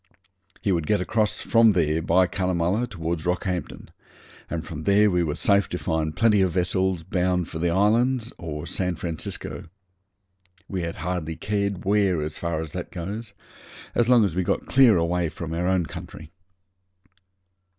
He could get across from there by Cunnamulla towards Rockhampton, and from there we were safe to find plenty of vessels bound for the islands or San Francisco. We had hardly cared where, as far as that goes, as long as we got clear away from our own country.